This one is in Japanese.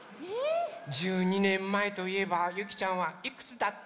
１２ねんまえといえばゆきちゃんはいくつだった？